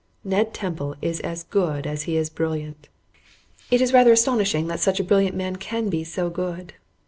Ned Temple is as good as he is brilliant. It is really rather astonishing that such a brilliant man can be so good.